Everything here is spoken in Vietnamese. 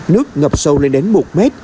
nước ngập sâu lên đến một m